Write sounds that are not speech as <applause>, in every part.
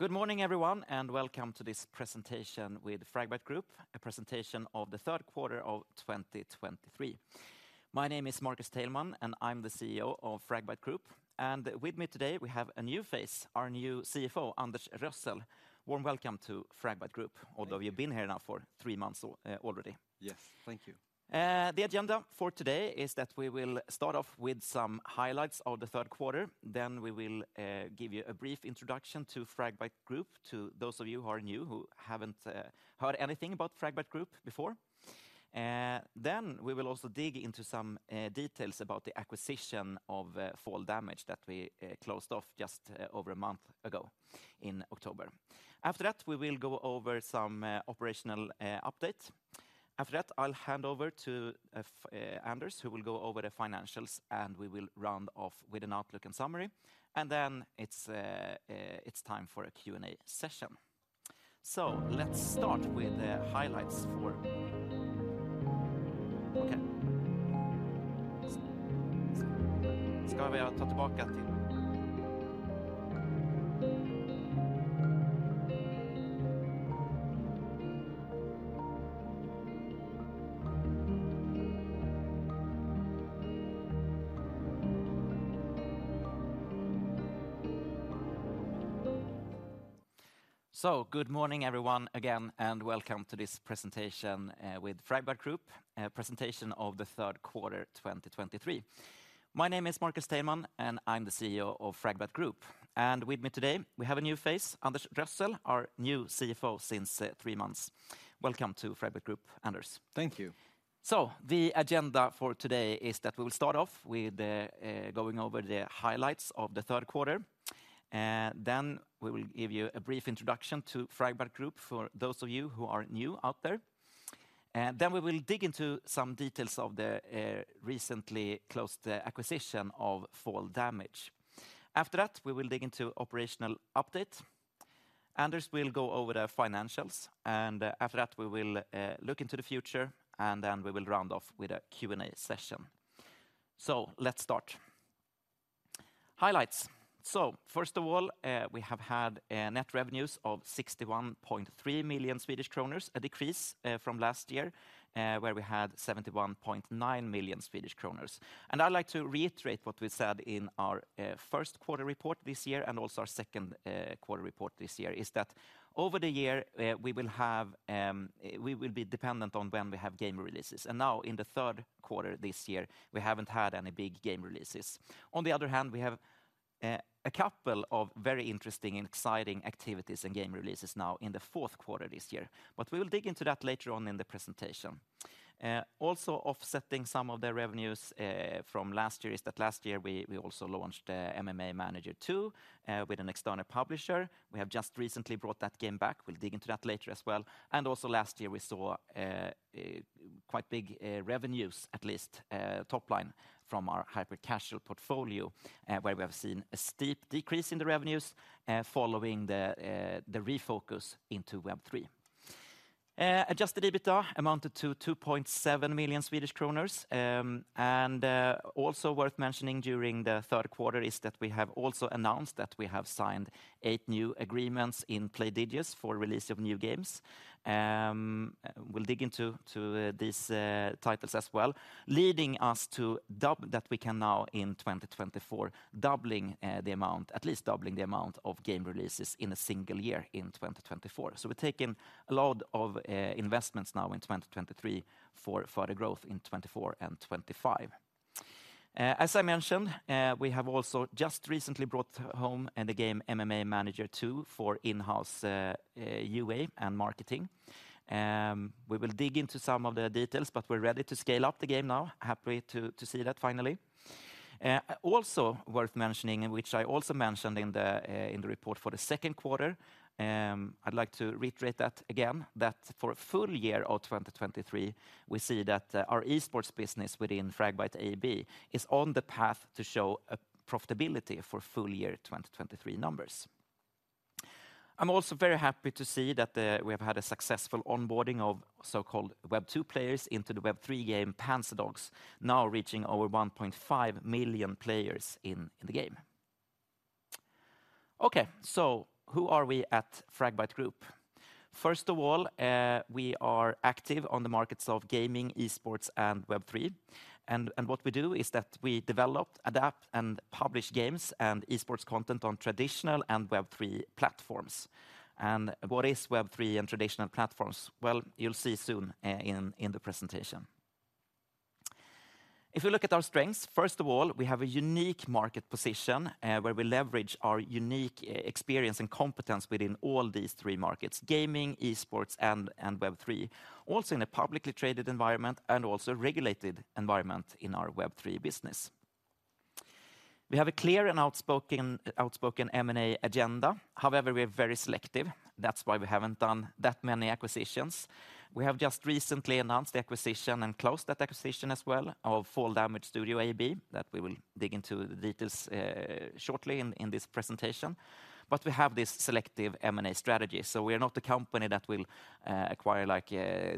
Good morning, everyone, and welcome to this presentation with Fragbite Group, a presentation of the third quarter of 2023. My name is Marcus Teilman, and I'm the CEO of Fragbite Group. And with me today, we have a new face, our new CFO, Anders Rössel. Warm welcome to Fragbite Group, although you've been here now for three months already. Yes. Thank you. The agenda for today is that we will start off with some highlights of the third quarter, then we will give you a brief introduction to Fragbite Group, to those of you who are new, who haven't heard anything about Fragbite Group before. Then we will also dig into some details about the acquisition of Fall Damage that we closed off just over a month ago in October. After that, we will go over some operational update. After that, I'll hand over to Anders, who will go over the financials, and we will round off with an outlook and summary. And then it's time for a Q&A session. So let's start with the highlights for- Okay. <audio distortion> Good morning, everyone, again, and welcome to this presentation with Fragbite Group, a presentation of the third quarter 2023. My name is Marcus Teilman, and I'm the CEO of Fragbite Group. With me today, we have a new face, Anders Rössel, our new CFO since 3 months. Welcome to Fragbite Group, Anders. Thank you. So the agenda for today is that we will start off with the going over the highlights of the third quarter, and then we will give you a brief introduction to Fragbite Group for those of you who are new out there. And then we will dig into some details of the recently closed acquisition of Fall Damage. After that, we will dig into operational update. Anders will go over the financials, and after that, we will look into the future, and then we will round off with a Q&A session. So let's start. Highlights. So first of all, we have had net revenues of 61.3 million Swedish kronor, a decrease from last year where we had 71.9 million Swedish kronor. I'd like to reiterate what we said in our first quarter report this year, and also our second quarter report this year, is that over the year, we will have, we will be dependent on when we have game releases. Now, in the third quarter this year, we haven't had any big game releases. On the other hand, we have a couple of very interesting and exciting activities and game releases now in the fourth quarter this year, but we will dig into that later on in the presentation. Also offsetting some of the revenues from last year is that last year, we, we also launched MMA Manager 2 with an external publisher. We have just recently brought that game back. We'll dig into that later as well. Also last year, we saw a quite big revenues, at least, top line from our hyper-casual portfolio, where we have seen a steep decrease in the revenues, following the refocus into Web3. Adjusted EBITDA amounted to 2.7 million Swedish kronor. Also worth mentioning during the third quarter is that we have also announced that we have signed eight new agreements in Playdigious for release of new games. We'll dig into these titles as well, leading us to double, that we can now in 2024, doubling the amount, at least doubling the amount of game releases in a single year in 2024. So we've taken a lot of investments now in 2023 for further growth in 2024 and 2025. As I mentioned, we have also just recently brought home the game MMA Manager 2 for in-house UA and marketing. We will dig into some of the details, but we're ready to scale up the game now. Happy to see that finally. Also worth mentioning, and which I also mentioned in the report for the second quarter, I'd like to reiterate that again, that for a full year of 2023, we see that our esports business within Fragbite AB is on the path to show a profitability for full year 2023 numbers. I'm also very happy to see that we have had a successful onboarding of so-called Web2 players into the Web3 game, Panzerdogs, now reaching over 1.5 million players in the game. Okay, so who are we at Fragbite Group? First of all, we are active on the markets of gaming, esports, and Web3. And what we do is that we develop, adapt, and publish games and esports content on traditional and Web3 platforms. And what is Web3 and traditional platforms? Well, you'll see soon, in the presentation. If you look at our strengths, first of all, we have a unique market position, where we leverage our unique experience and competence within all these three markets: gaming, esports, and Web3. Also, in a publicly traded environment, and also regulated environment in our Web3 business. We have a clear and outspoken M&A agenda. However, we are very selective. That's why we haven't done that many acquisitions. We have just recently announced the acquisition, and closed that acquisition as well, of Fall Damage Studio AB, that we will dig into the details shortly in this presentation. But we have this selective M&A strategy, so we are not a company that will acquire, like,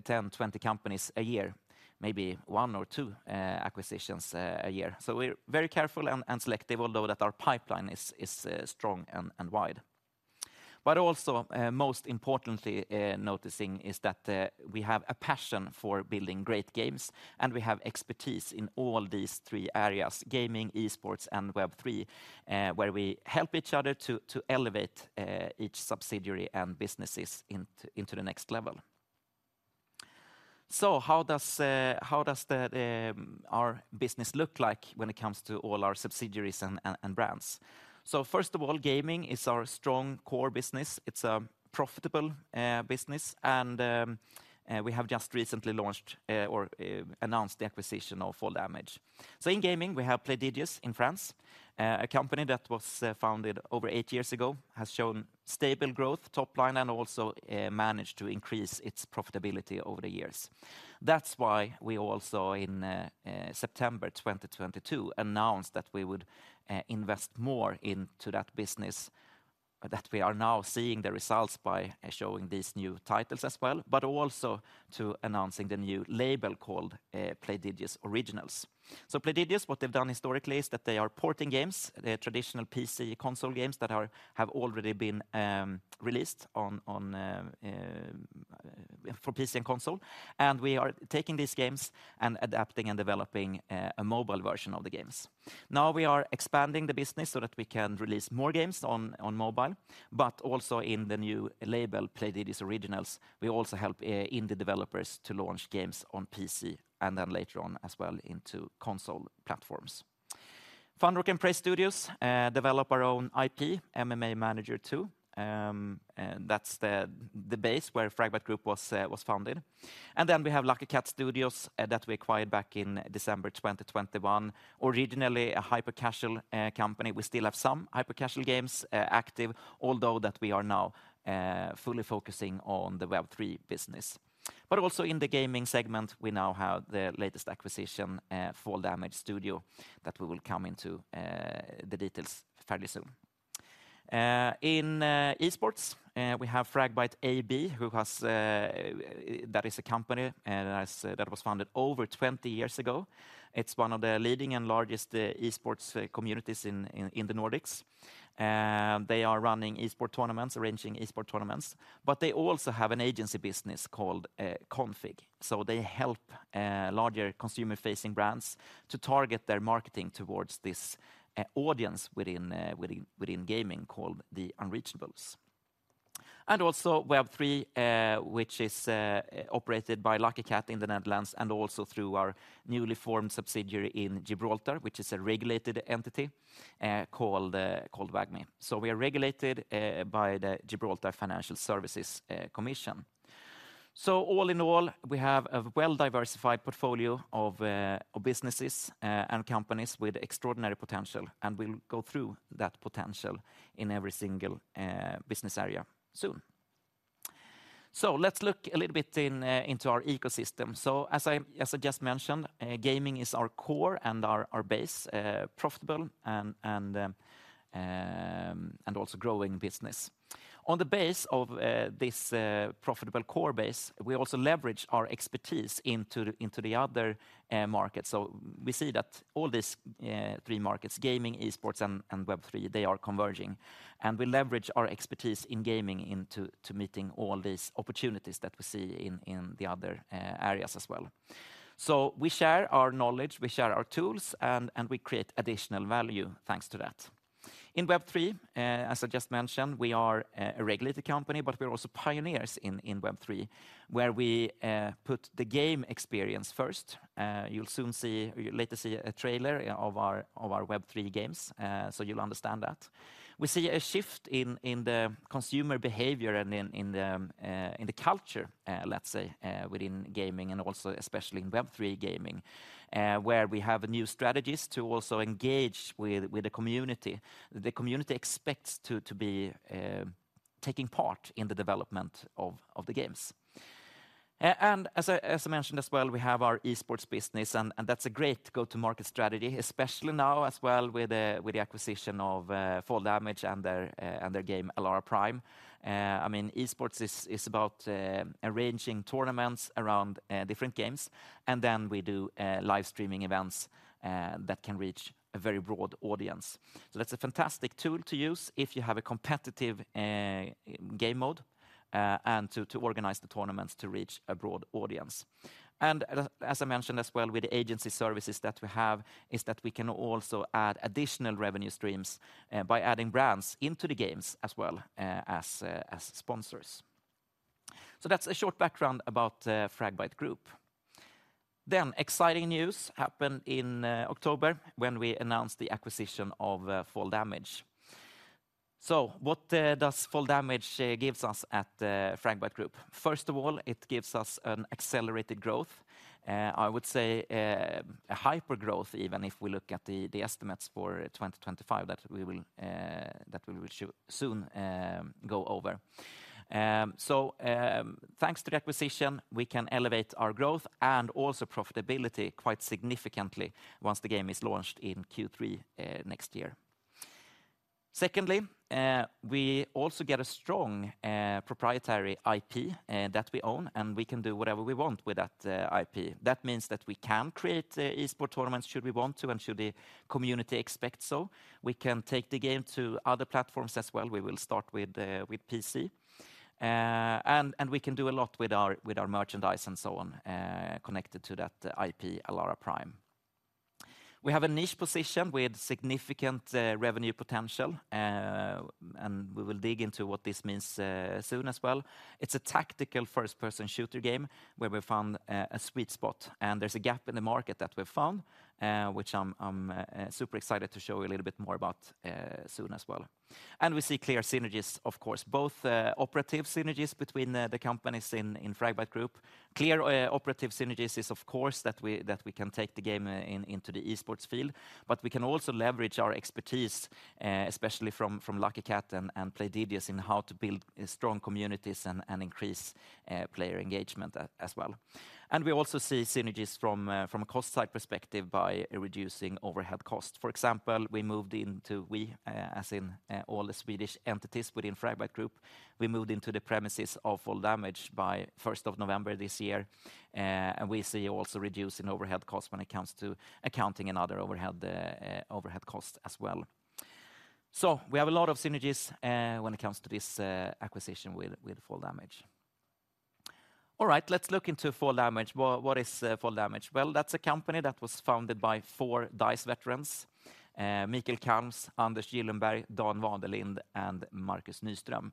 10, 20 companies a year. Maybe one or two acquisitions a year. So we're very careful and selective, although that our pipeline is strong and wide. But also, most importantly, noticing is that we have a passion for building great games, and we have expertise in all these three areas: gaming, esports, and Web3, where we help each other to elevate each subsidiary and businesses into the next level. So how does our business look like when it comes to all our subsidiaries and brands? So first of all, gaming is our strong core business. It's a profitable business, and we have just recently announced the acquisition of Fall Damage. So in gaming, we have Playdigious in France, a company that was founded over eight years ago, has shown stable growth, top line, and also managed to increase its profitability over the years. That's why we also in September 2022 announced that we would invest more into that business, that we are now seeing the results by showing these new titles as well, but also to announcing the new label called Playdigious Originals. So Playdigious, what they've done historically is that they are porting games, the traditional PC console games that have already been released on PC and console, and we are taking these games and adapting and developing a mobile version of the games. Now, we are expanding the business so that we can release more games on mobile, but also in the new label, Playdigious Originals, we also help indie developers to launch games on PC and then later on as well into console platforms. Funrock and Prey Studios develop our own IP, MMA Manager 2, and that's the base where Fragbite Group was founded. And then we have Lucky Kat Studios that we acquired back in December 2021. Originally, a hyper-casual company. We still have some hyper-casual games active, although we are now fully focusing on the Web3 business. But also in the gaming segment, we now have the latest acquisition, Fall Damage Studio, that we will come into the details fairly soon. In esports, we have Fragbite AB, who has. That is a company that was founded over 20 years ago. It's one of the leading and largest esports communities in the Nordics. And they are running esports tournaments, arranging esports tournaments, but they also have an agency business called Config. So they help larger consumer-facing brands to target their marketing towards this audience within gaming, called the Unreachables. And also, Web3, which is operated by Lucky Kat in the Netherlands, and also through our newly formed subsidiary in Gibraltar, which is a regulated entity, called Wagmi. So we are regulated by the Gibraltar Financial Services Commission. So all in all, we have a well-diversified portfolio of businesses and companies with extraordinary potential, and we'll go through that potential in every single business area soon. So let's look a little bit into our ecosystem. So as I just mentioned, gaming is our core and our base profitable and also growing business. On the base of this profitable core base, we also leverage our expertise into the other markets. So we see that all these three markets, gaming, esports, and Web3, they are converging, and we leverage our expertise in gaming into meeting all these opportunities that we see in the other areas as well. So we share our knowledge, we share our tools, and we create additional value thanks to that. In Web3, as I just mentioned, we are a regulated company, but we're also pioneers in Web3, where we put the game experience first. You'll soon see. You'll later see a trailer of our Web3 games, so you'll understand that. We see a shift in the consumer behavior and in the culture, let's say, within gaming and also especially in Web3 gaming, where we have new strategies to also engage with the community. The community expects to be taking part in the development of the games. And as I mentioned as well, we have our e-sports business, and that's a great go-to-market strategy, especially now as well with the acquisition of Fall Damage and their game, ALARA Prime. I mean, e-sports is about arranging tournaments around different games, and then we do live streaming events that can reach a very broad audience. So that's a fantastic tool to use if you have a competitive game mode, and to organize the tournaments to reach a broad audience. As I mentioned as well, with the agency services that we have, is that we can also add additional revenue streams by adding brands into the games as well as sponsors. So that's a short background about Fragbite Group. Exciting news happened in October when we announced the acquisition of Fall Damage. So what does Fall Damage gives us at Fragbite Group? First of all, it gives us an accelerated growth, I would say, a hyper growth, even if we look at the estimates for 2025, that we will soon go over. So thanks to the acquisition, we can elevate our growth and also profitability quite significantly once the game is launched in Q3 next year. Secondly, we also get a strong, proprietary IP that we own, and we can do whatever we want with that IP. That means that we can create esports tournaments should we want to, and should the community expect so. We can take the game to other platforms as well. We will start with PC. And we can do a lot with our merchandise and so on, connected to that IP, ALARA Prime. We have a niche position with significant revenue potential, and we will dig into what this means soon as well. It's a tactical first-person shooter game, where we found a sweet spot, and there's a gap in the market that we've found, which I'm super excited to show you a little bit more about soon as well. And we see clear synergies, of course, both operative synergies between the companies in Fragbite Group. Clear operative synergies is, of course, that we can take the game into the esports field, but we can also leverage our expertise, especially from Lucky Kat and Playdigious in how to build strong communities and increase player engagement as well. And we also see synergies from a cost side perspective by reducing overhead costs. For example, we moved into, as in, all the Swedish entities within Fragbite Group, we moved into the premises of Fall Damage by first of November this year, and we see also a reduce in overhead costs when it comes to accounting and other overhead overhead costs as well. So we have a lot of synergies when it comes to this acquisition with Fall Damage. All right, let's look into Fall Damage. What is Fall Damage? Well, that's a company that was founded by four DICE veterans, Mikael Kalms, Anders Gyllenberg, Dan Vaderlind, and Marcus Nyström.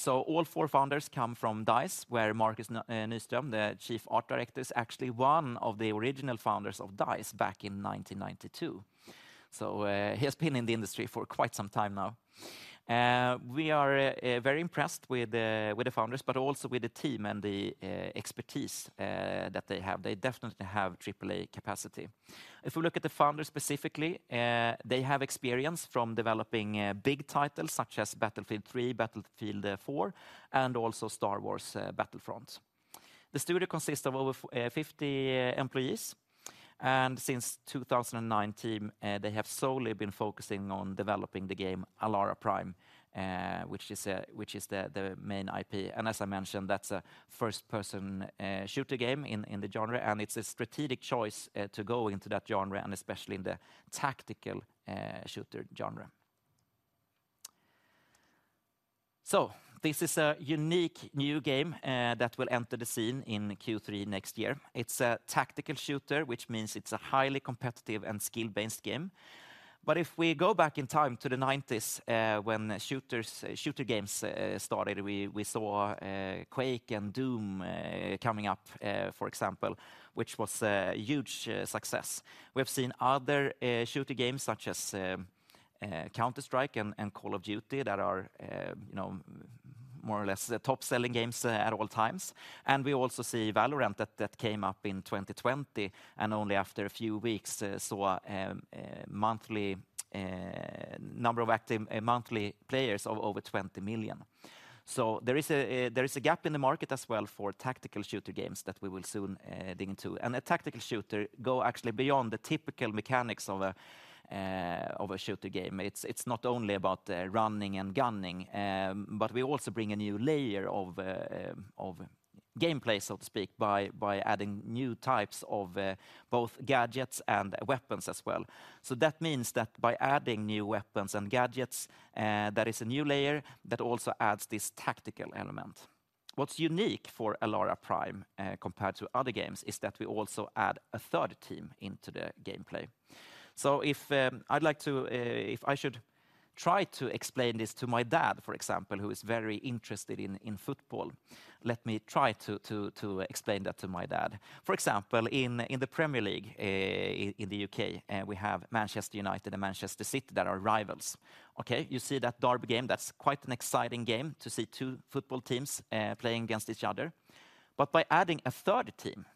So all four founders come from DICE, where Marcus Nyström, the chief art director, is actually one of the original founders of DICE back in 1992. So he has been in the industry for quite some time now. We are very impressed with the founders, but also with the team and the expertise that they have. They definitely have AAA capacity. If we look at the founders specifically, they have experience from developing big titles such as Battlefield 3, Battlefield 4, and also Star Wars: Battlefront. The studio consists of over 50 employees, and since 2019, they have solely been focusing on developing the game, ALARA Prime, which is the main IP. And as I mentioned, that's a first-person shooter game in the genre, and it's a strategic choice to go into that genre, and especially in the tactical shooter genre. So this is a unique new game that will enter the scene in Q3 next year. It's a tactical shooter, which means it's a highly competitive and skill-based game. But if we go back in time to the nineties, when shooters, shooter games, started, we, we saw, Quake and Doom, coming up, for example, which was a huge success. We have seen other, shooter games such as, Counter-Strike and, and Call of Duty that are, you know, more or less the top-selling games, at all times. And we also see Valorant that, that came up in 2020, and only after a few weeks, saw, a monthly, number of active, monthly players of over 20 million. So there is a, there is a gap in the market as well for tactical shooter games that we will soon, dig into. And a tactical shooter go actually beyond the typical mechanics of a, of a shooter game. It's not only about running and gunning, but we also bring a new layer of gameplay, so to speak, by adding new types of both gadgets and weapons as well. So that means that by adding new weapons and gadgets, there is a new layer that also adds this tactical element. What's unique for ALARA Prime, compared to other games, is that we also add a third team into the gameplay. So if I'd like to—if I should try to explain this to my dad, for example, who is very interested in football, let me try to explain that to my dad. For example, in the Premier League, in the UK, we have Manchester United and Manchester City that are rivals. Okay, you see that derby game, that's quite an exciting game to see two football teams playing against each other. But by adding a third team,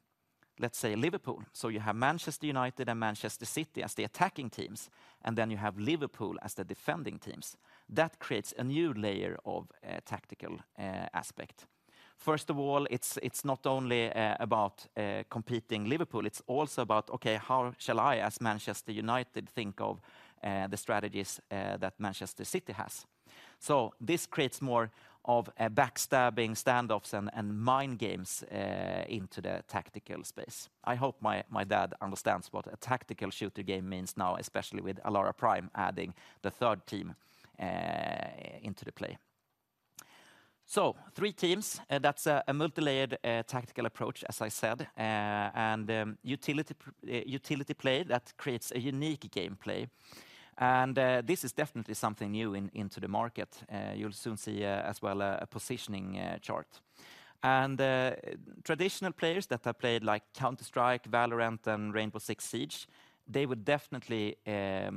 let's say Liverpool, so you have Manchester United and Manchester City as the attacking teams, and then you have Liverpool as the defending teams, that creates a new layer of tactical aspect. First of all, it's not only about competing Liverpool, it's also about, okay, how shall I, as Manchester United, think of the strategies that Manchester City has? So this creates more of a backstabbing standoffs and mind games into the tactical space. I hope my dad understands what a tactical shooter game means now, especially with ALARA Prime adding the third team into the play. So three teams, that's a multilayered tactical approach, as I said, and utility play that creates a unique gameplay. And this is definitely something new into the market. You'll soon see, as well, a positioning chart. And traditional players that have played like Counter-Strike, Valorant, and Rainbow Six Siege, they would definitely, you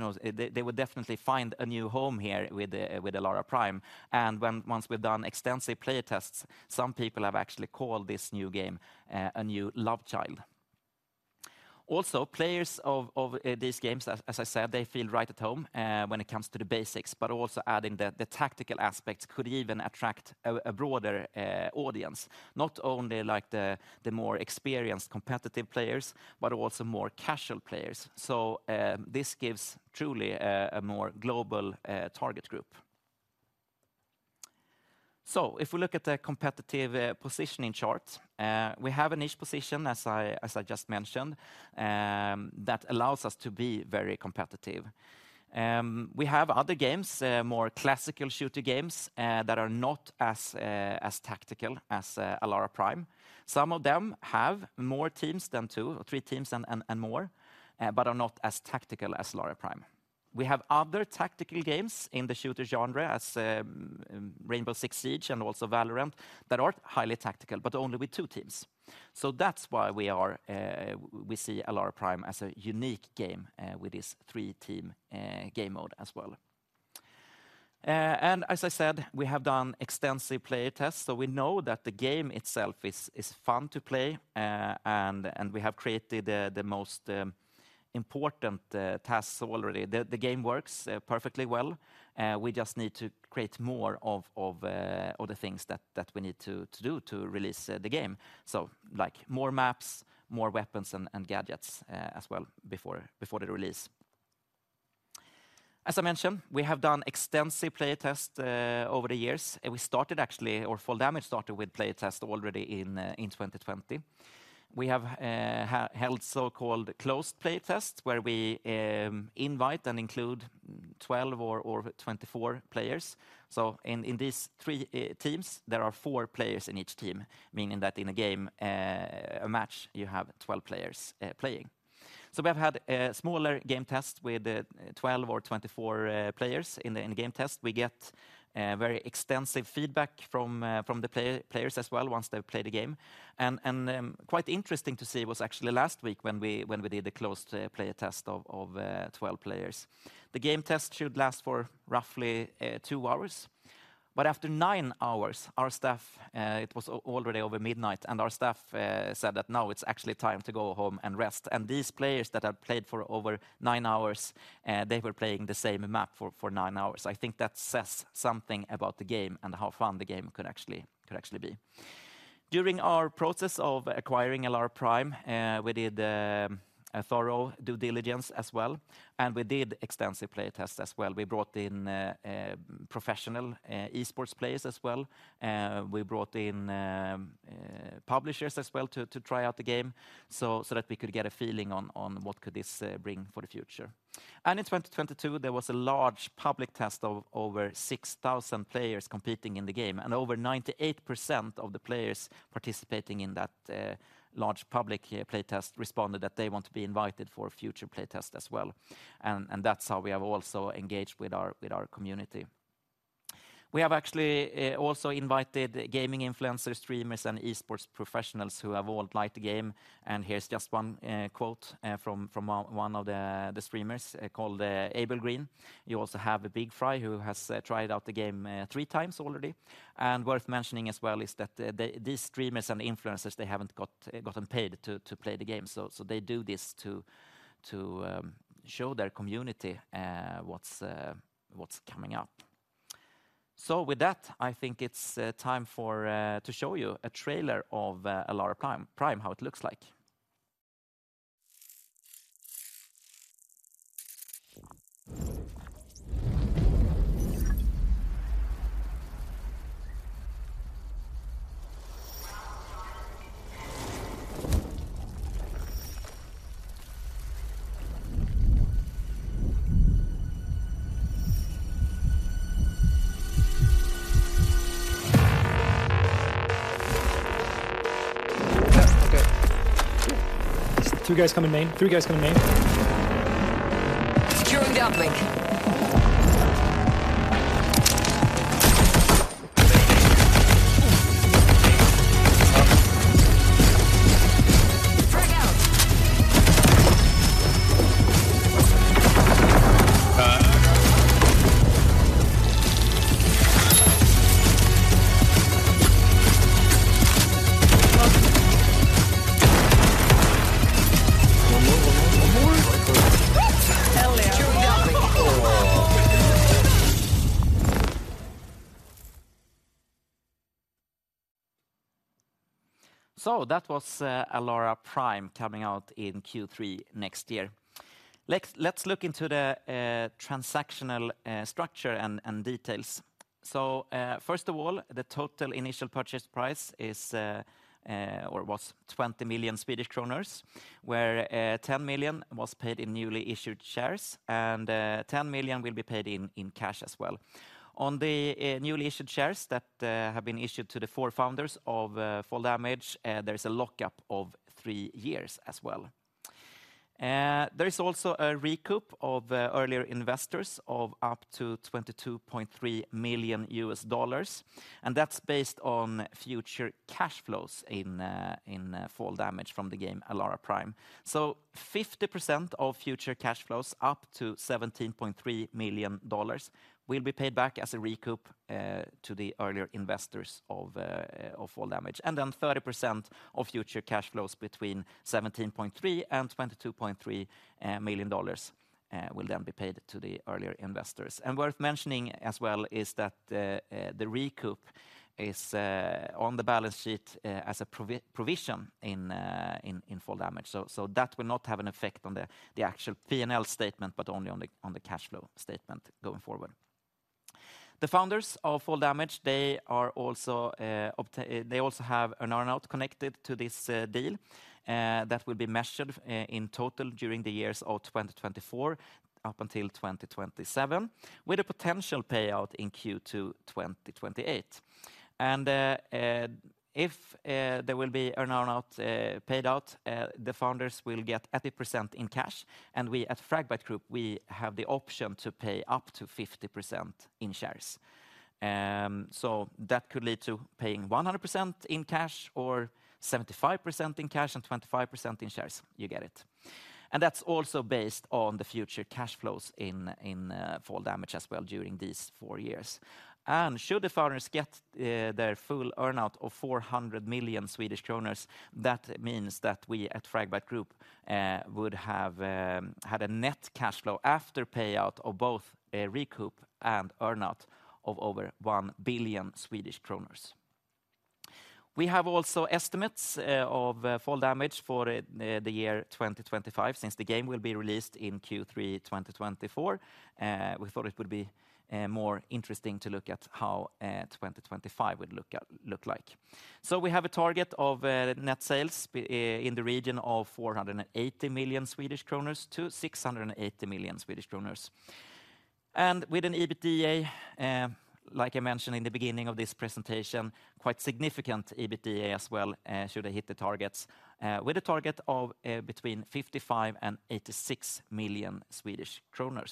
know, they would definitely find a new home here with ALARA Prime. Once we've done extensive player tests, some people have actually called this new game a new love child. Also, players of these games, as I said, they feel right at home when it comes to the basics, but also adding the tactical aspects could even attract a broader audience. Not only the more experienced competitive players, but also more casual players. So, this gives truly a more global target group. So if we look at the competitive positioning chart, we have a niche position, as I just mentioned, that allows us to be very competitive. We have other games, more classical shooter games, that are not as tactical as ALARA Prime. Some of them have more teams than two, or three teams and more, but are not as tactical as ALARA Prime. We have other tactical games in the shooter genre as Rainbow Six Siege and also Valorant, that are highly tactical, but only with two teams. So that's why we are, we see ALARA Prime as a unique game, with this three-team game mode as well. And as I said, we have done extensive player tests, so we know that the game itself is fun to play, and we have created the most important tasks already. The game works perfectly well. We just need to create more of the things that we need to do to release the game. So, like, more maps, more weapons, and gadgets, as well, before the release. As I mentioned, we have done extensive player tests over the years. And we started actually, or Fall Damage started with playtest already in 2020. We have held so-called closed playtest, where we invite and include 12 or 24 players. So in these three teams, there are four players in each team, meaning that in a game, a match, you have 12 players playing. So we've had smaller game tests with 12 or 24 players. In the in-game test, we get very extensive feedback from the players as well once they've played the game. And quite interesting to see was actually last week when we did a closed player test of 12 players. The game test should last for roughly two hours. But after nine hours, our staff, it was already over midnight, and our staff said that now it's actually time to go home and rest. These players that had played for over nine hours, they were playing the same map for nine hours. I think that says something about the game and how fun the game could actually be. During our process of acquiring ALARA Prime, we did a thorough due diligence as well, and we did extensive play tests as well. We brought in professional esports players as well. We brought in publishers as well to try out the game, so that we could get a feeling on what this could bring for the future. In 2022, there was a large public test of over 6,000 players competing in the game, and over 98% of the players participating in that large public playtest responded that they want to be invited for a future playtest as well. And that's how we have also engaged with our community. We have actually also invited gaming influencers, streamers, and esports professionals who have all liked the game, and here's just one quote from one of the streamers called Abel Green. You also have a BigFry, who has tried out the game three times already. And worth mentioning as well is that these streamers and influencers, they haven't gotten paid to play the game. So they do this to show their community what's coming up. So with that, I think it's time to show you a trailer of ALARA Prime, how it looks like. Two guys coming main. Three guys coming main. Securing the uplink. Frag out. One more, one more, one more! Hell, yeah. So that was ALARA Prime coming out in Q3 next year. Let's look into the transactional structure and details. So first of all, the total initial purchase price is or was 20 million Swedish kronor, where 10 million was paid in newly issued shares, and 10 million will be paid in cash as well. On the newly issued shares that have been issued to the four founders of Fall Damage, there is a lockup of three years as well. There is also a recoup of earlier investors of up to $22.3 million, and that's based on future cash flows in Fall Damage from the game, ALARA Prime. So 50% of future cash flows, up to $17.3 million, will be paid back as a recoup to the earlier investors of Fall Damage. Then 30% of future cash flows between $17.3 million and $22.3 million will then be paid to the earlier investors. Worth mentioning as well is that the recoup is on the balance sheet as a provision in Fall Damage. So that will not have an effect on the actual P&L statement, but only on the cash flow statement going forward. The founders of Fall Damage, they are also, they also have an earn-out connected to this deal that will be measured in total during the years of 2024 up until 2027, with a potential payout in Q2 2028. If there will be earn-out paid out, the founders will get 80% in cash, and we at Fragbite Group, we have the option to pay up to 50% in shares. So that could lead to paying 100% in cash or 75% in cash and 25% in shares. You get it. That's also based on the future cash flows in Fall Damage as well during these four years. And should the founders get their full earn-out of 400 million Swedish kronor, that means that we at Fragbite Group would have had a net cash flow after payout of both a recoup and earn-out of over 1 billion Swedish kronor. We have also estimates of Fall Damage for the year 2025, since the game will be released in Q3 2024. We thought it would be more interesting to look at how 2025 would look like. So we have a target of net sales in the region of 480 million-680 million Swedish kronor. And with an EBITDA, like I mentioned in the beginning of this presentation, quite significant EBITDA as well, should they hit the targets, with a target of between 55 million and 86 million Swedish kronor.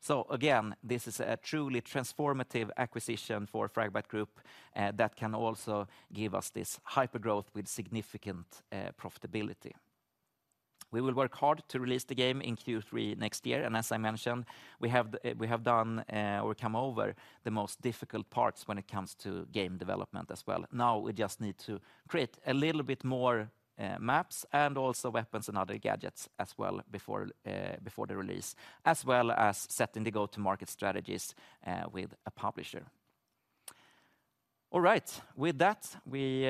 So again, this is a truly transformative acquisition for Fragbite Group, that can also give us this hypergrowth with significant profitability. We will work hard to release the game in Q3 next year, and as I mentioned, we have done or come over the most difficult parts when it comes to game development as well. Now, we just need to create a little bit more maps and also weapons and other gadgets as well before the release, as well as setting the go-to-market strategies with a publisher. All right. With that, we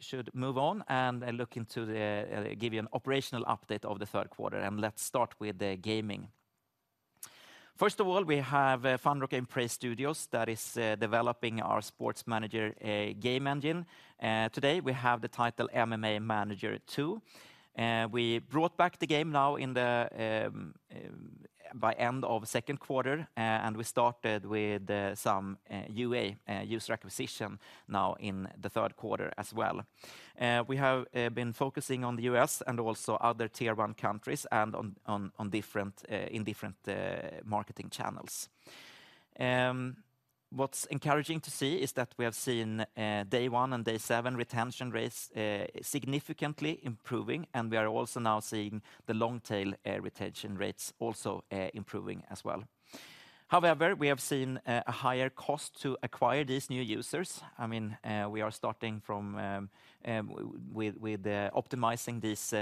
should move on and look into giving you an operational update of the third quarter, and let's start with the gaming. First of all, we have Funrock and Prey Studios that is developing our sports manager game engine. Today, we have the title MMA Manager 2, and we brought back the game now in-house by end of second quarter, and we started with some UA user acquisition now in the third quarter as well. We have been focusing on the U.S. and also other tier one countries and on different marketing channels. What's encouraging to see is that we have seen day one and day seven retention rates significantly improving, and we are also now seeing the long tail retention rates also improving as well. However, we have seen a higher cost to acquire these new users. I mean, we are starting with optimizing these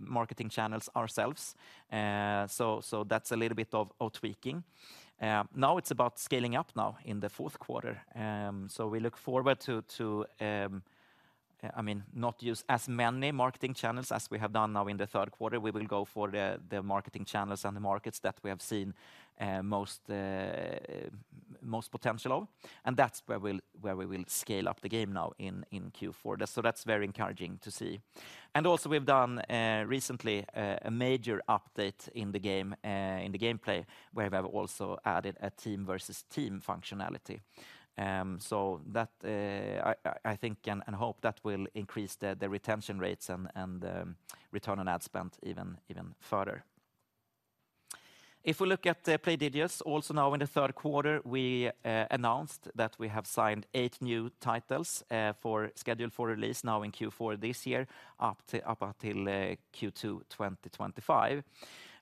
marketing channels ourselves. So that's a little bit of tweaking. Now it's about scaling up now in the fourth quarter. So we look forward to I mean, not use as many marketing channels as we have done now in the third quarter. We will go for the marketing channels and the markets that we have seen most potential of, and that's where we'll where we will scale up the game now in Q4. So that's very encouraging to see. And also, we've done recently a major update in the game in the gameplay, where we have also added a team versus team functionality. So that I think and hope that will increase the retention rates and return on ad spend even further. If we look at Playdigious, also now in the third quarter, we announced that we have signed eight new titles for scheduled release now in Q4 this year, up until Q2 2025.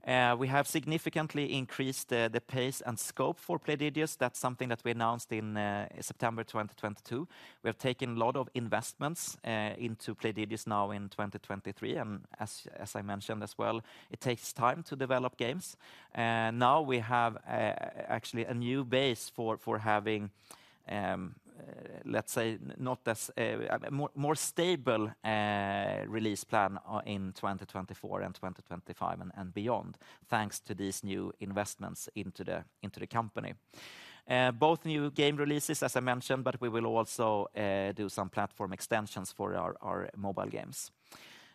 We have significantly increased the pace and scope for Playdigious. That's something that we announced in September 2022. We have taken a lot of investments into Playdigious now in 2023, and as I mentioned as well, it takes time to develop games. Now we have actually a new base for having, let's say, a more stable release plan in 2024 and 2025 and beyond, thanks to these new investments into the company. Both new game releases, as I mentioned, but we will also do some platform extensions for our mobile games.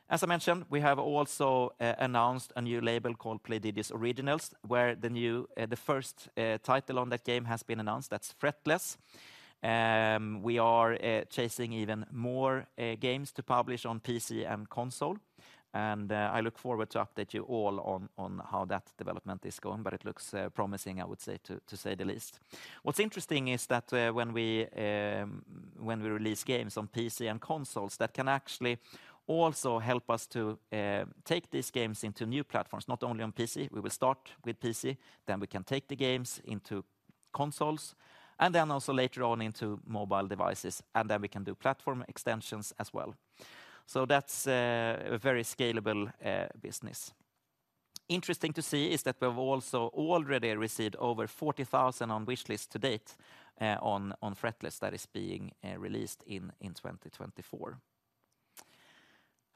As I mentioned, we have also announced a new label called Playdigious Originals, where the first title on that game has been announced, that's Fretless. We are chasing even more games to publish on PC and console, and I look forward to update you all on how that development is going, but it looks promising, I would say, to say the least. What's interesting is that when we release games on PC and consoles, that can actually also help us to take these games into new platforms, not only on PC, we will start with PC, then we can take the games into consoles, and then also later on into mobile devices, and then we can do platform extensions as well. So that's a very scalable business. Interesting to see is that we have also already received over 40,000 on wish list to date on Fretless that is being released in 2024....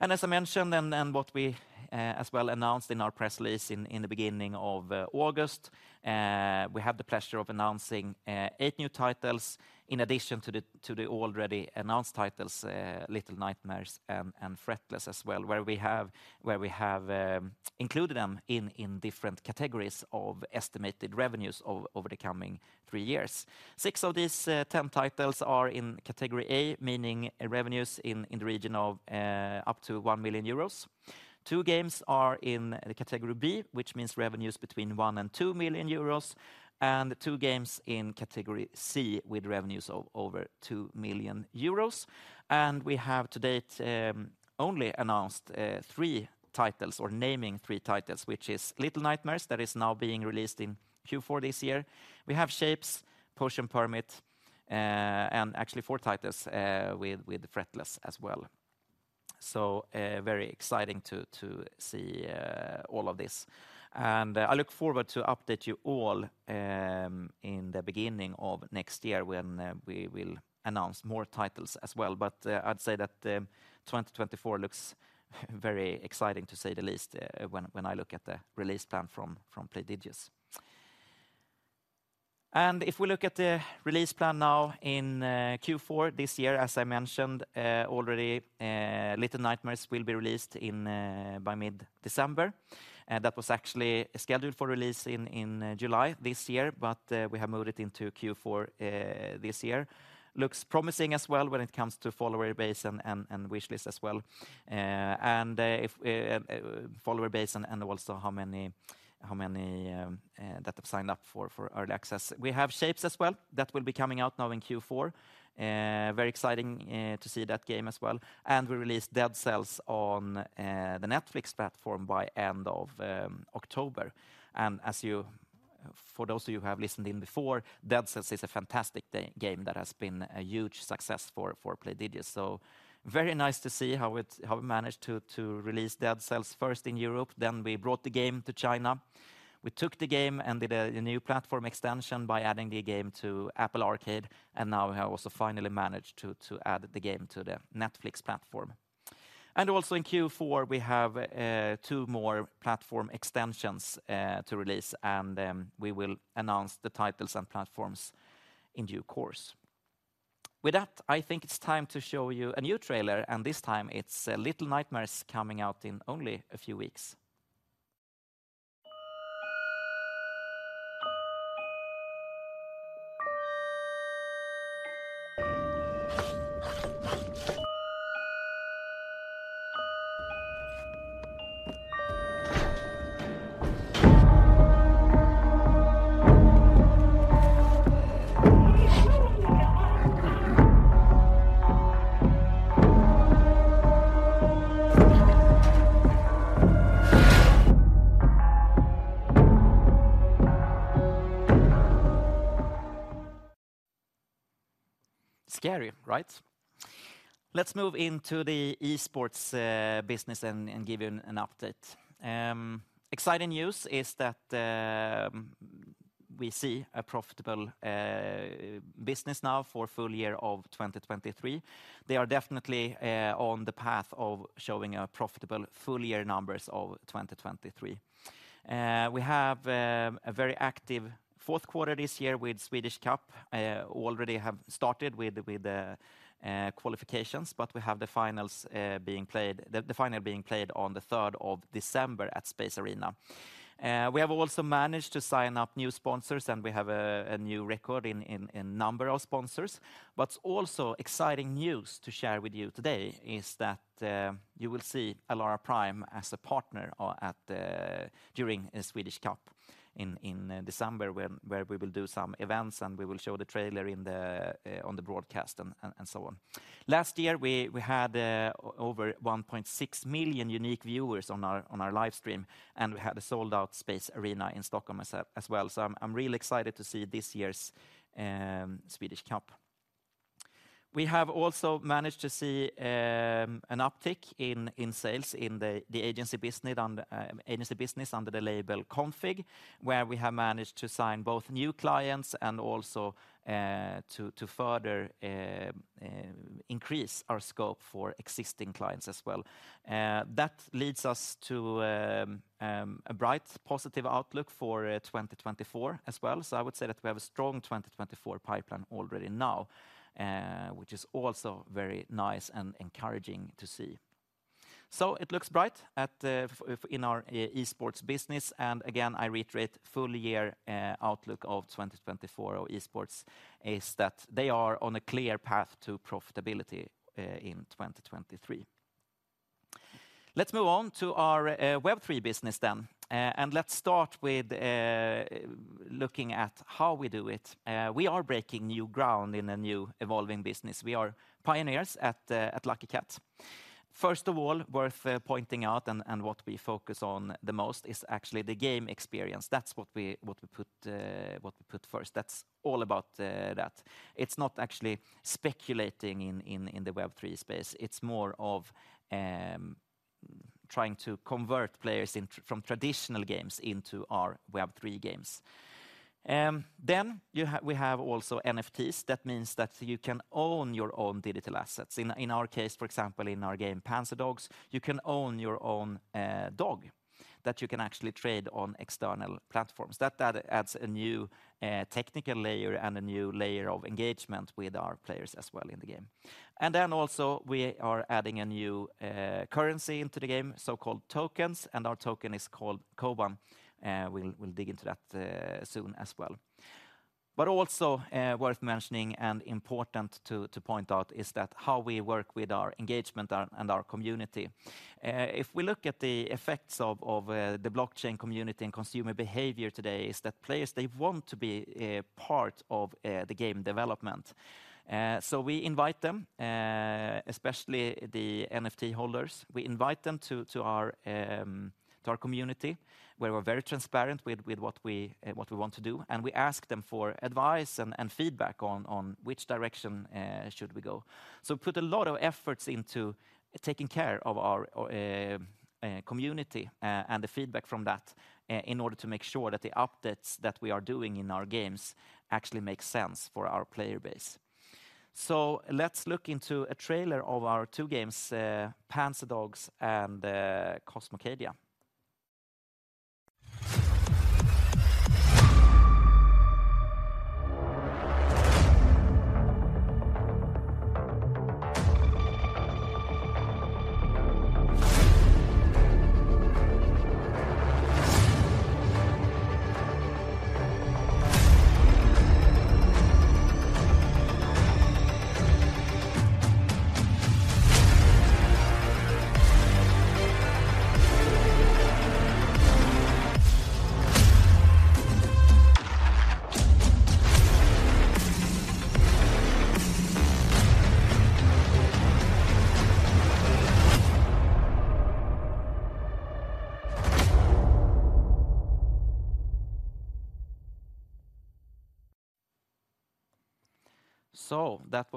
And as I mentioned, what we as well announced in our press release in the beginning of August, we had the pleasure of announcing eight new titles in addition to the already announced titles, Little Nightmares and Fretless as well, where we have included them in different categories of estimated revenues over the coming three years. Six of these 10 titles are in category A, meaning revenues in the region of up to 1 million euros. Two games are in the category B, which means revenues between 1 million and 2 million euros, and two games in category C, with revenues of over 2 million euros. We have to date, only announced, three titles or naming three titles, which is Little Nightmares, that is now being released in Q4 this year. We have Shapez, Potion Permit, and actually four titles, with, with Fretless as well. So, very exciting to, to see, all of this. I look forward to update you all, in the beginning of next year, when, we will announce more titles as well. But, I'd say that, 2024 looks very exciting, to say the least, when, when I look at the release plan from, from Playdigious. If we look at the release plan now in, Q4 this year, as I mentioned, already, Little Nightmares will be released in, by mid-December. That was actually scheduled for release in July this year, but we have moved it into Q4 this year. Looks promising as well when it comes to follower base and wish list as well. And follower base and also how many that have signed up for early access. We have Shapez as well, that will be coming out now in Q4. Very exciting to see that game as well. And we released Dead Cells on the Netflix platform by end of October. And as you—for those of you who have listened in before, Dead Cells is a fantastic game that has been a huge success for Playdigious. So very nice to see how we managed to release Dead Cells first in Europe, then we brought the game to China. We took the game and did a new platform extension by adding the game to Apple Arcade, and now we have also finally managed to add the game to the Netflix platform. And also in Q4, we have two more platform extensions to release, and we will announce the titles and platforms in due course. With that, I think it's time to show you a new trailer, and this time it's Little Nightmares coming out in only a few weeks. Scary, right? Let's move into the esports business and give you an update. Exciting news is that we see a profitable business now for full year of 2023. They are definitely on the path of showing a profitable full year numbers of 2023. We have a very active fourth quarter this year with Swedish Cup already have started with the qualifications, but we have the finals being played, the final being played on the third of December at Space Arena. We have also managed to sign up new sponsors, and we have a new record in number of sponsors. What's also exciting news to share with you today is that you will see ALARA Prime as a partner at the during the Swedish Cup in December, when where we will do some events, and we will show the trailer on the broadcast and so on. Last year, we had over 1.6 million unique viewers on our live stream, and we had a sold-out Space Arena in Stockholm as well. So I'm really excited to see this year's Swedish Cup. We have also managed to see an uptick in sales in the agency business under the label Config, where we have managed to sign both new clients and also to further increase our scope for existing clients as well. That leads us to a bright, positive outlook for 2024 as well. So I would say that we have a strong 2024 pipeline already now, which is also very nice and encouraging to see. So it looks bright in our esports business. And again, I reiterate, full year outlook of 2024 of esports is that they are on a clear path to profitability in 2023. Let's move on to our Web3 business then, and let's start with looking at how we do it. We are breaking new ground in a new, evolving business. We are pioneers at Lucky Kat. First of all, worth pointing out and what we focus on the most is actually the game experience. That's what we put first. That's all about that. It's not actually speculating in the Web3 space. It's more of trying to convert players from traditional games into our Web3 games. Then we have also NFTs. That means that you can own your own digital assets. In our case, for example, in our game, Panzerdogs, you can own your own dog that you can actually trade on external platforms. That adds a new technical layer and a new layer of engagement with our players as well in the game. And then also, we are adding a new currency into the game, so-called tokens, and our token is called KOBAN. We'll dig into that soon as well. But also, worth mentioning and important to point out, is that how we work with our engagement and our community. If we look at the effects of the blockchain community and consumer behavior today, is that players, they want to be part of the game development. So we invite them, especially the NFT holders, we invite them to our community, where we're very transparent with what we want to do, and we ask them for advice and feedback on which direction should we go. So we put a lot of efforts into taking care of our community, and the feedback from that in order to make sure that the updates that we are doing in our games actually make sense for our player base. So let's look into a trailer of our two games, Panzerdogs and Cosmocadia.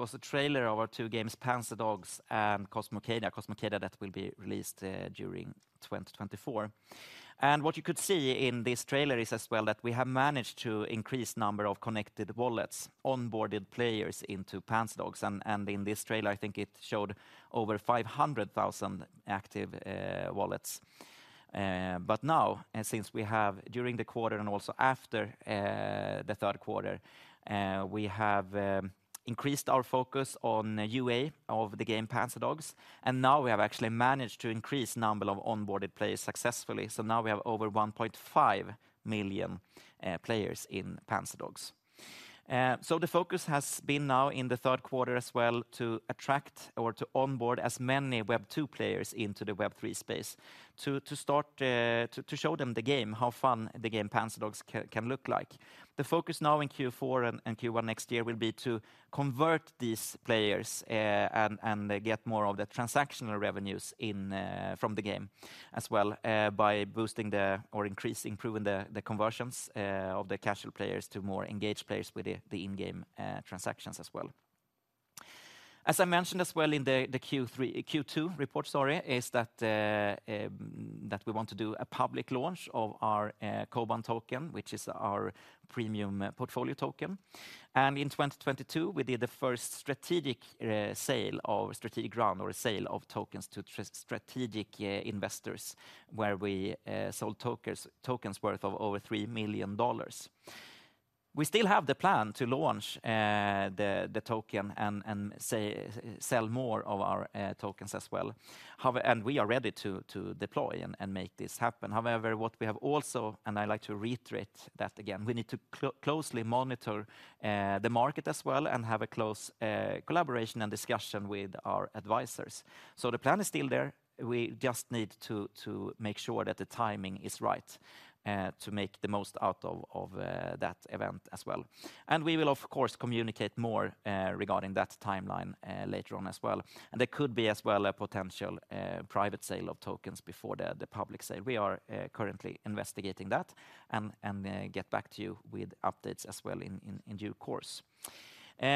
So that was a trailer of our two games, Panzerdogs and Cosmocadia. Cosmocadia, that will be released during 2024. And what you could see in this trailer is as well that we have managed to increase number of connected wallets, onboarded players into Panzerdogs, and in this trailer, I think it showed over 500,000 active wallets. But now, and since we have, during the quarter and also after the third quarter, we have increased our focus on UA of the game, Panzerdogs, and now we have actually managed to increase number of onboarded players successfully. So now we have over 1.5 million players in Panzerdogs. So the focus has been now in the third quarter as well, to attract or to onboard as many Web2 players into the Web3 space, to start to show them the game, how fun the game Panzerdogs can look like. The focus now in Q4 and Q1 next year will be to convert these players and get more of the transactional revenues in from the game as well by boosting the-- or increasing, improving the conversions of the casual players to more engaged players with the in-game transactions as well. As I mentioned as well in the Q3 Q2 report, sorry, is that that we want to do a public launch of our KOBAN token, which is our premium portfolio token. And in 2022, we did the first strategic sale of-- strategic round or a sale of tokens to strategic investors, where we sold tokens worth of over $3 million. We still have the plan to launch the token and say sell more of our tokens as well. We are ready to deploy and make this happen. However, what we have also, and I like to reiterate that again, we need to closely monitor the market as well, and have a close collaboration and discussion with our advisors. So the plan is still there. We just need to make sure that the timing is right to make the most out of that event as well. And we will, of course, communicate more regarding that timeline later on as well. And there could be as well a potential private sale of tokens before the public sale. We are currently investigating that, and get back to you with updates as well in due course.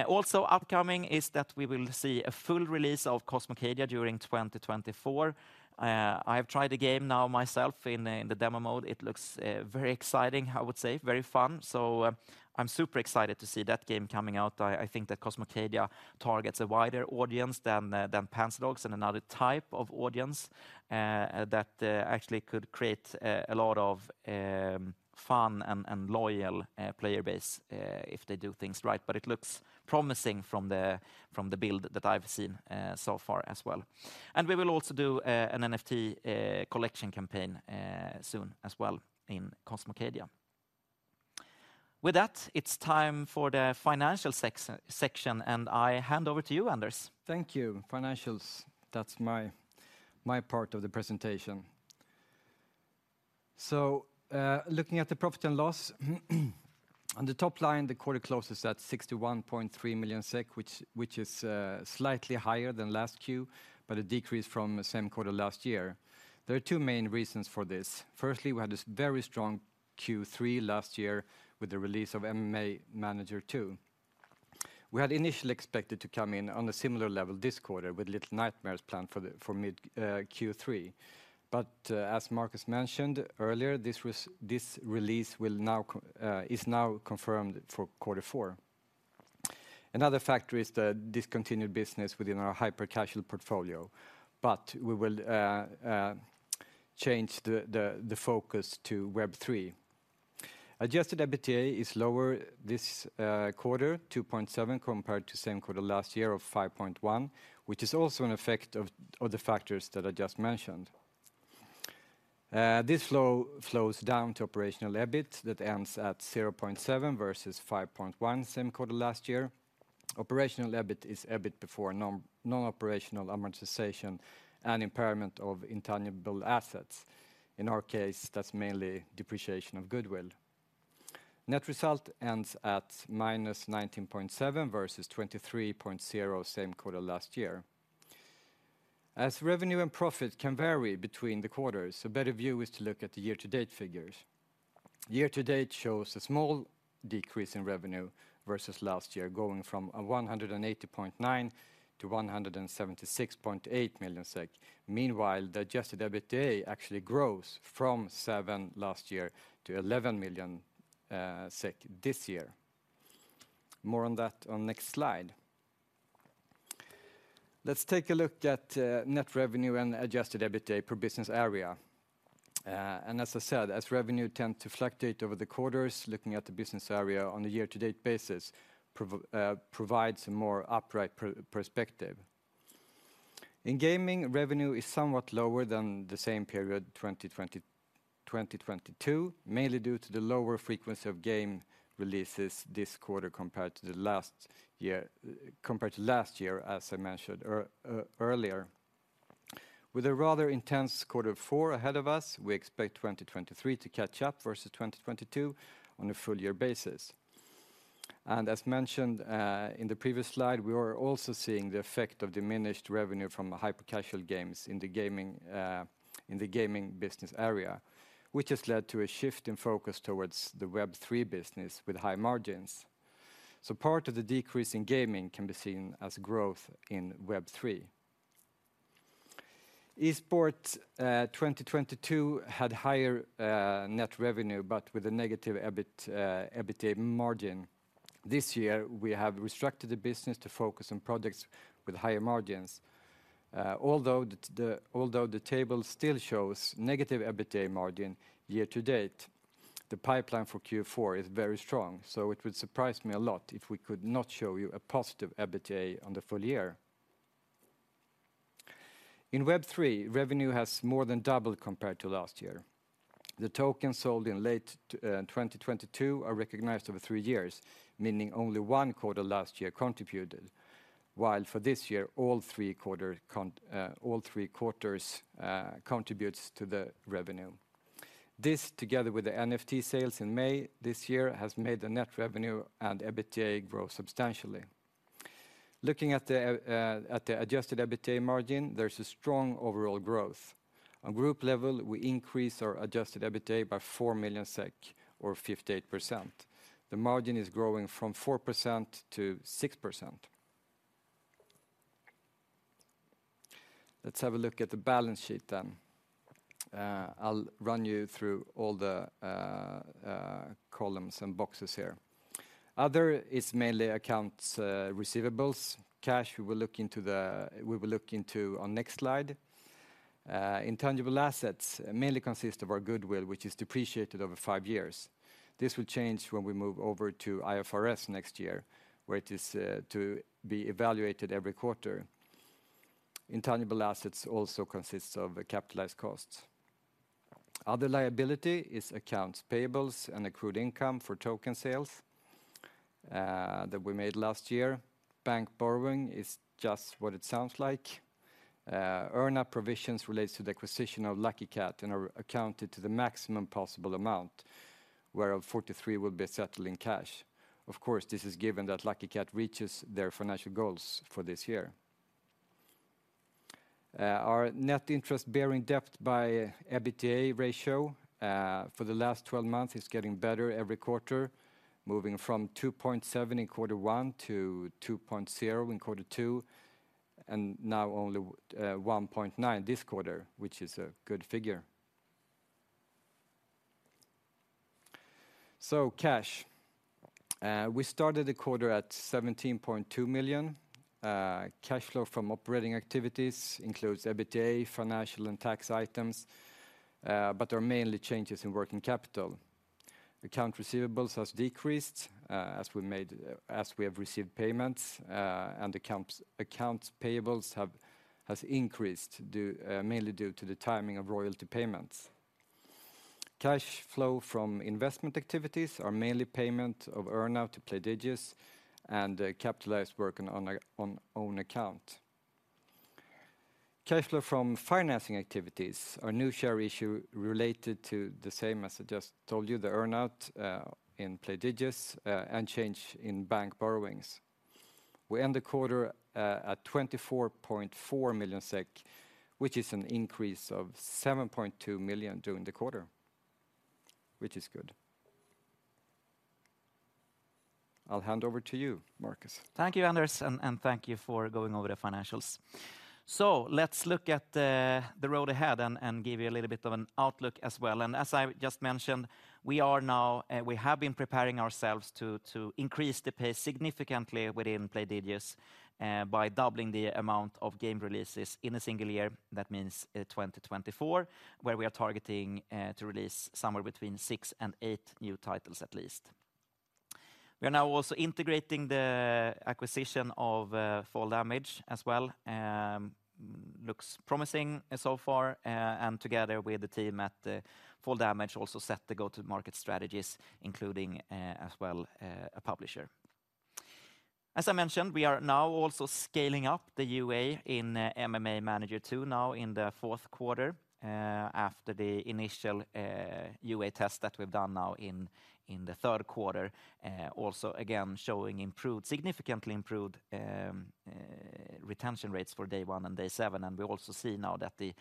Also upcoming is that we will see a full release of Cosmocadia during 2024. I have tried the game now myself in the demo mode. It looks very exciting, I would say, very fun. So, I'm super excited to see that game coming out. I think that Cosmocadia targets a wider audience than Panzerdogs and another type of audience that actually could create a lot of fun and loyal player base if they do things right. But it looks promising from the build that I've seen so far as well. And we will also do an NFT collection campaign soon as well in Cosmocadia. With that, it's time for the financial section, and I hand over to you, Anders. Thank you. Financials, that's my part of the presentation. Looking at the profit and loss, on the top line, the quarter closes at 61.3 million SEK, which is slightly higher than last Q, but a decrease from the same quarter last year. There are two main reasons for this. Firstly, we had this very strong Q3 last year with the release of MMA Manager 2. We had initially expected to come in on a similar level this quarter with Little Nightmares planned for mid Q3. But, as Marcus mentioned earlier, this release is now confirmed for quarter four. Another factor is the discontinued business within our hyper-casual portfolio, but we will change the focus to Web3. Adjusted EBITDA is lower this quarter, 2.7, compared to same quarter last year of 5.1, which is also an effect of the factors that I just mentioned. This flows down to operational EBIT that ends at 0.7 versus 5.1 same quarter last year. Operational EBIT is EBIT before non-operational amortization and impairment of intangible assets. In our case, that's mainly depreciation of goodwill. Net result ends at minus 19.7 versus 23.0, same quarter last year. As revenue and profit can vary between the quarters, a better view is to look at the year-to-date figures. Year-to-date shows a small decrease in revenue versus last year, going from 180.9 million to 176.8 million SEK. Meanwhile, the adjusted EBITDA actually grows from 7 million last year to 11 million SEK this year. More on that on next slide. Let's take a look at net revenue and adjusted EBITDA per business area. As I said, as revenue tend to fluctuate over the quarters, looking at the business area on a year-to-date basis provides a more accurate perspective. In gaming, revenue is somewhat lower than the same period, 2022, mainly due to the lower frequency of game releases this quarter compared to last year, compared to last year, as I mentioned earlier. With a rather intense quarter four ahead of us, we expect 2023 to catch up versus 2022 on a full year basis. As mentioned, in the previous slide, we are also seeing the effect of diminished revenue from the hyper-casual games in the gaming, in the gaming business area, which has led to a shift in focus towards the Web3 business with high margins. So part of the decrease in gaming can be seen as growth in Web3. Esports, 2022 had higher net revenue, but with a negative EBIT, EBITDA margin. This year, we have restructured the business to focus on products with higher margins. Although the table still shows negative EBITDA margin year to date, the pipeline for Q4 is very strong, so it would surprise me a lot if we could not show you a positive EBITDA on the full year. In Web3, revenue has more than doubled compared to last year. The tokens sold in late 2022 are recognized over three years, meaning only one quarter last year contributed, while for this year, all three quarters contributes to the revenue. This, together with the NFT sales in May this year, has made the net revenue and EBITDA grow substantially. Looking at the adjusted EBITDA margin, there's a strong overall growth. On group level, we increase our adjusted EBITDA by 4 million SEK or 58%. The margin is growing from 4% to 6%. Let's have a look at the balance sheet then. I'll run you through all the columns and boxes here. Other is mainly accounts receivable. Cash, we will look into on next slide. Intangible assets mainly consist of our goodwill, which is depreciated over five years. This will change when we move over to IFRS next year, where it is, to be evaluated every quarter. Intangible assets also consists of the capitalized costs. Other liability is accounts payables and accrued income for token sales, that we made last year. Bank borrowing is just what it sounds like. Earn-out provisions relates to the acquisition of Lucky Kat and are accounted to the maximum possible amount, whereof 43 will be settled in cash. Of course, this is given that Lucky Kat reaches their financial goals for this year. Our net interest-bearing debt by EBITDA ratio for the last 12 months is getting better every quarter, moving from 2.7 in quarter one to 2.0 in quarter two, and now only 1.9 this quarter, which is a good figure. So cash. We started the quarter at 17.2 million. Cash flow from operating activities includes EBITDA, financial and tax items, but are mainly changes in working capital. Accounts receivables has decreased as we have received payments, and accounts payables has increased due mainly due to the timing of royalty payments. Cash flow from investment activities are mainly payment of earn-out to Playdigious and capitalized work on a on own account. Cash flow from financing activities are new share issue related to the same as I just told you, the earn-out in Playdigious, and change in bank borrowings. We end the quarter at 24.4 million SEK, which is an increase of 7.2 million during the quarter... which is good. I'll hand over to you, Marcus. Thank you, Anders, and thank you for going over the financials. So let's look at the road ahead and give you a little bit of an outlook as well. And as I just mentioned, we are now we have been preparing ourselves to increase the pace significantly within Playdigious by doubling the amount of game releases in a single year. That means, 2024, where we are targeting to release somewhere between six and eight new titles at least. We are now also integrating the acquisition of Fall Damage as well. Looks promising so far, and together with the team at Fall Damage, also set the go-to-market strategies, including as well a publisher. As I mentioned, we are now also scaling up the UA in MMA Manager 2 now in the fourth quarter, after the initial UA test that we've done now in the third quarter, also again showing significantly improved retention rates for day one and day seven. And we also see now that the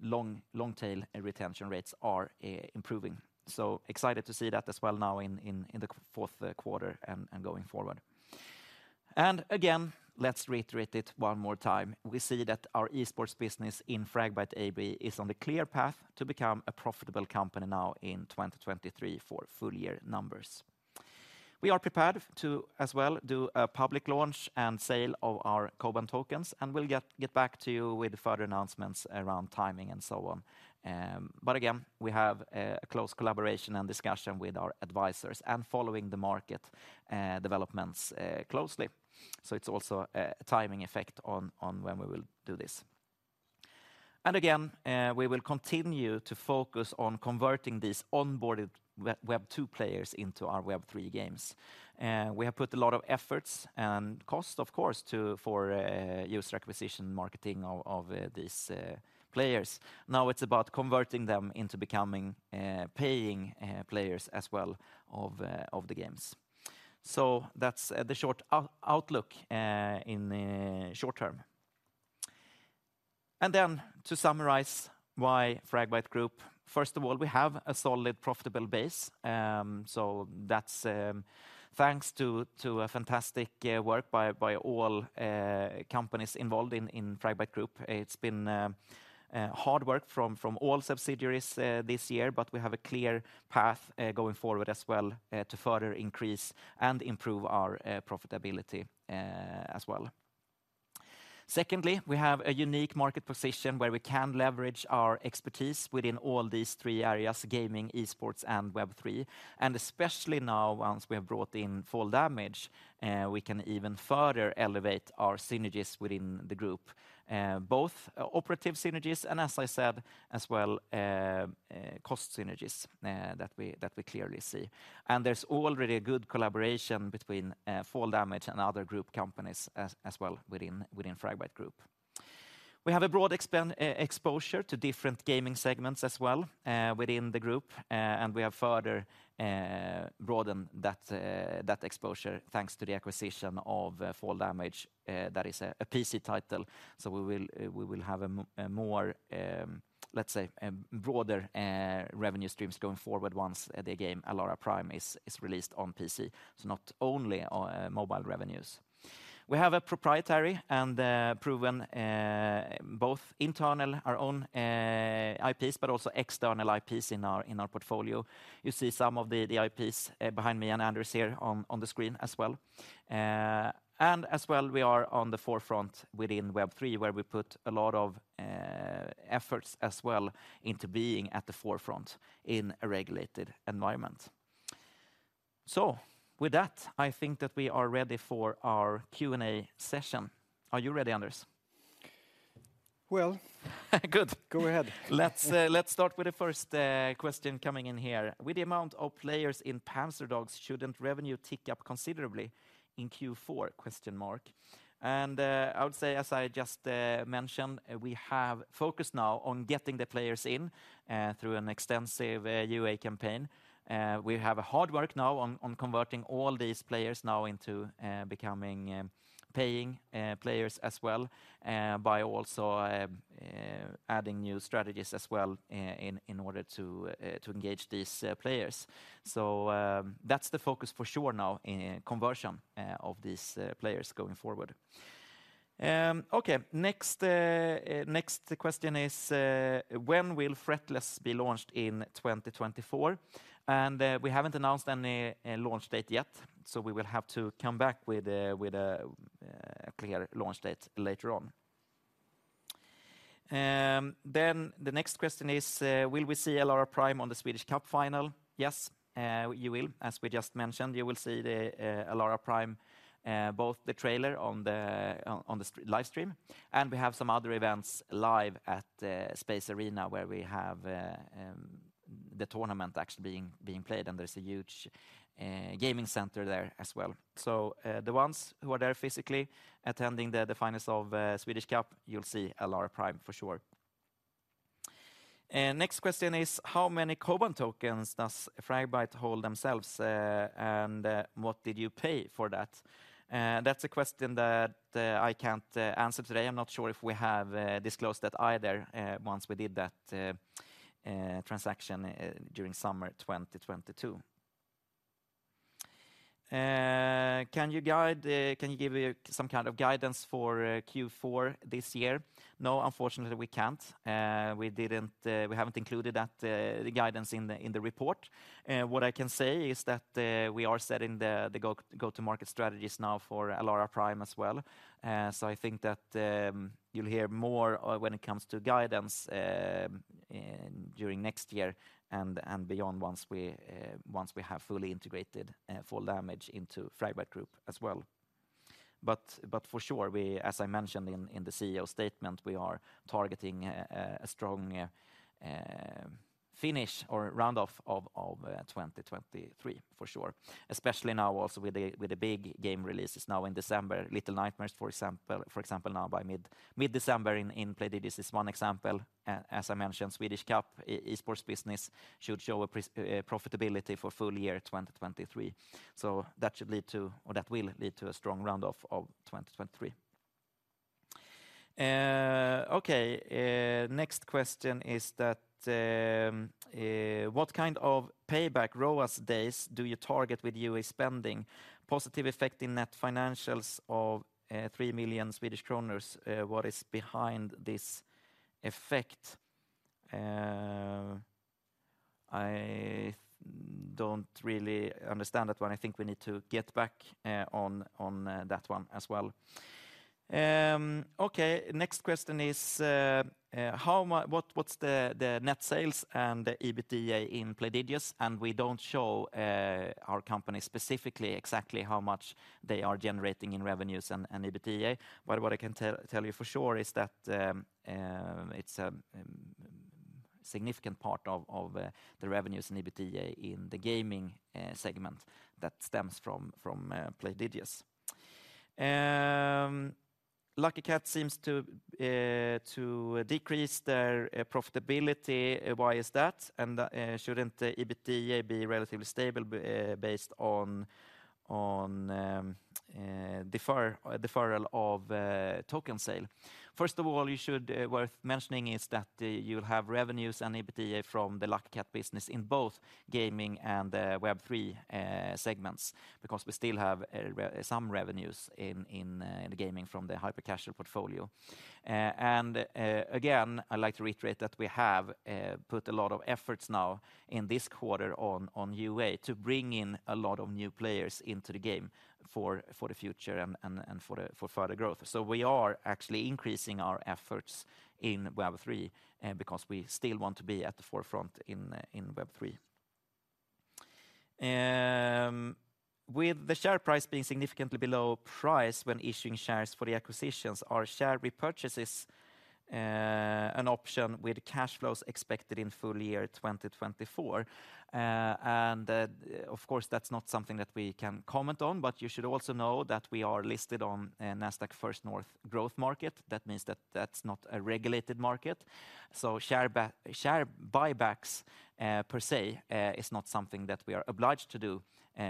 long-tail retention rates are improving. So excited to see that as well now in the fourth quarter and going forward. And again, let's reiterate it one more time. We see that our esports business in Fragbite AB is on a clear path to become a profitable company now in 2023 for full year numbers. We are prepared to as well do a public launch and sale of our KOBAN tokens, and we'll get back to you with further announcements around timing and so on. But again, we have a close collaboration and discussion with our advisors and following the market developments closely. So it's also a timing effect on when we will do this. And again, we will continue to focus on converting these onboarded Web2 players into our Web3 games. We have put a lot of efforts and cost, of course, to for user acquisition, marketing of these players. Now it's about converting them into becoming paying players as well of the games. So that's the short outlook in the short term. And then to summarize, why Fragbite Group? First of all, we have a solid, profitable base. So that's thanks to a fantastic work by all companies involved in Fragbite Group. It's been hard work from all subsidiaries this year, but we have a clear path going forward as well to further increase and improve our profitability as well. Secondly, we have a unique market position where we can leverage our expertise within all these three areas: gaming, esports, and Web3. And especially now, once we have brought in Fall Damage, we can even further elevate our synergies within the group both operative synergies and as I said, as well, cost synergies that we clearly see. There's already a good collaboration between Fall Damage and other group companies as well within Fragbite Group. We have a broad exposure to different gaming segments as well within the group, and we have further broadened that exposure, thanks to the acquisition of Fall Damage that is a PC title. So we will have a more, let's say, broader revenue streams going forward once the game, ALARA Prime, is released on PC. So not only mobile revenues. We have a proprietary and proven, both internal, our own IPs, but also external IPs in our portfolio. You see some of the IPs behind me and Anders here on the screen as well. As well, we are on the forefront within Web3, where we put a lot of efforts as well into being at the forefront in a regulated environment. So with that, I think that we are ready for our Q&A session. Are you ready, Anders? Well- Good. Go ahead. Let's, let's start with the first question coming in here. With the amount of players in Panzerdogs, shouldn't revenue tick up considerably in Q4? And, I would say, as I just mentioned, we have focused now on getting the players in through an extensive UA campaign. We have a hard work now on converting all these players now into becoming paying players as well by also adding new strategies as well in order to engage these players. So, that's the focus for sure now, in conversion of these players going forward. Okay, next question is: When will Fretless be launched in 2024? We haven't announced any launch date yet, so we will have to come back with a clear launch date later on. Then the next question is: Will we see ALARA Prime on the Swedish Cup Final? Yes, you will. As we just mentioned, you will see the ALARA Prime both the trailer on the live stream, and we have some other events live at the Space Arena, where we have the tournament actually being played, and there's a huge gaming center there as well. So, the ones who are there physically attending the finals of Swedish Cup, you'll see ALARA Prime for sure. Next question is: How many KOBAN tokens does Fragbite hold themselves, and what did you pay for that? That's a question that I can't answer today. I'm not sure if we have disclosed that either, once we did that transaction during summer 2022. Can you give me some kind of guidance for Q4 this year? No, unfortunately, we can't. We haven't included that, the guidance in the report. What I can say is that we are setting the go-to-market strategies now for ALARA Prime as well. So I think that you'll hear more when it comes to guidance during next year and beyond once we have fully integrated Fall Damage into Fragbite Group as well. For sure, as I mentioned in the CEO statement, we are targeting a strong finish or round off of 2023, for sure. Especially now also with the big game releases now in December. Little Nightmares, for example, now by mid-December in Playdigious is one example. As I mentioned, Swedish Cup, esports business should show profitability for full year 2023. So that should lead to, or that will lead to a strong round off of 2023. Okay. Next question is that, what kind of payback ROAS days do you target with UA spending? Positive effect in net financials of 3 million Swedish kronor, what is behind this effect? I don't really understand that one. I think we need to get back on that one as well. Okay, next question is, how much—what’s the net sales and the EBITDA in Playdigious? And we don't show our company specifically exactly how much they are generating in revenues and EBITDA. But what I can tell you for sure is that it's a significant part of the revenues in EBITDA in the gaming segment that stems from Playdigious. Lucky Kat seems to decrease their profitability. Why is that? And shouldn't the EBITDA be relatively stable based on deferral of token sale? First of all, it's worth mentioning that you'll have revenues and EBITDA from the Lucky Kat business in both gaming and Web3 segments, because we still have some revenues in the gaming from the hyper-casual portfolio. Again, I'd like to reiterate that we have put a lot of efforts now in this quarter on UA to bring in a lot of new players into the game for the future and for further growth. We are actually increasing our efforts in Web3 because we still want to be at the forefront in Web3. With the share price being significantly below price when issuing shares for the acquisitions, are share repurchases an option with cash flows expected in full year 2024? Of course, that's not something that we can comment on, but you should also know that we are listed on a Nasdaq First North Growth Market. That means that that's not a regulated market. So share buybacks, per se, is not something that we are obliged to do,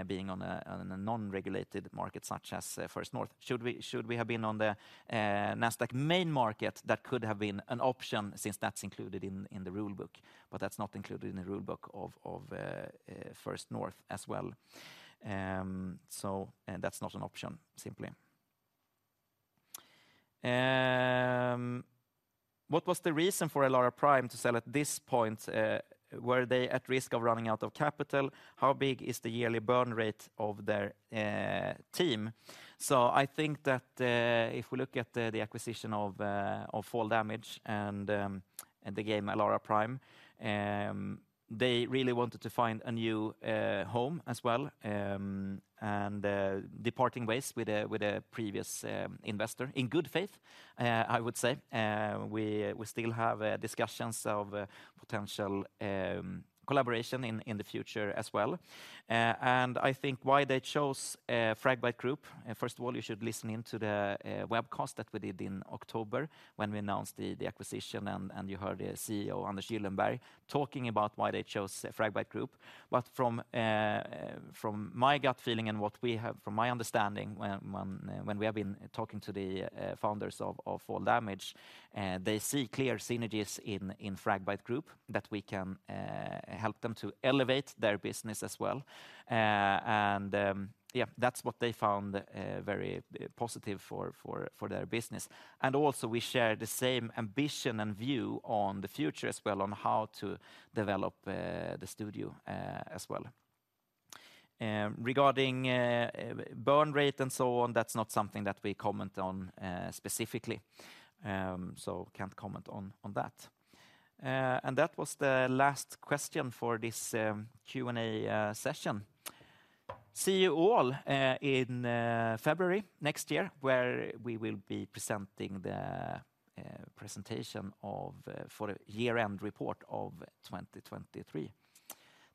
being on a non-regulated market such as First North. Should we have been on the Nasdaq Main Market, that could have been an option since that's included in the rule book, but that's not included in the rule book of First North as well. So and that's not an option, simply. What was the reason for ALARA Prime to sell at this point? Were they at risk of running out of capital? How big is the yearly burn rate of their team? So I think that if we look at the acquisition of Fall Damage and the game ALARA Prime, they really wanted to find a new home as well, and parting ways with a previous investor in good faith, I would say. We still have discussions of potential collaboration in the future as well. And I think why they chose Fragbite Group, first of all, you should listen in to the webcast that we did in October when we announced the acquisition and you heard the CEO, Anders Gyllenberg, talking about why they chose Fragbite Group. But from my gut feeling and what we have from my understanding, when we have been talking to the founders of Fall Damage, they see clear synergies in Fragbite Group, that we can help them to elevate their business as well. And that's what they found very positive for their business. And also we share the same ambition and view on the future as well, on how to develop the studio as well. Regarding burn rate and so on, that's not something that we comment on specifically. So can't comment on that. And that was the last question for this Q&A session. See you all in February next year, where we will be presenting the presentation of for the year-end report of 2023.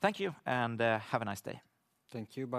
Thank you, and have a nice day. Thank you. Bye-bye.